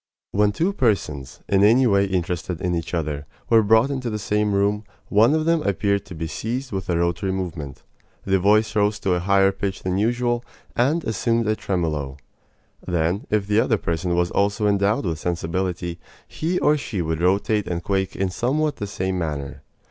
When two persons, in any way interested in each other, were brought into the same room, one of them appeared to be seized with a rotary movement. The voice rose to a higher pitch than usual, and assumed a tremolo. Then, if the other person was also endowed with sensibility, he or she would rotate and quake in somewhat the same manner.